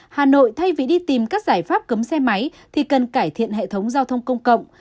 hà nội thay vì đi tìm các giải pháp cấm xe máy thì cần cải thiện hệ thống giao thông công cộng